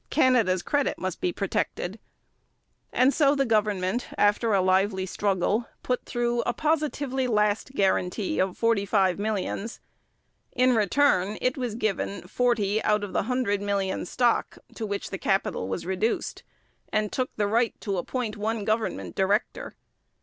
Canada's credit must be protected, and so the government, after a lively struggle, put through a positively last guarantee of forty five millions. In return it was given forty out of the hundred millions stock to which the capital was reduced, and took the right to appoint one government director.